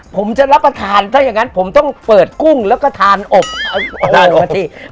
ผมจะรับประทานถ้าอย่างนั้นผมต้องเปิดกุ้งแล้วก็ทานอบตามปกติ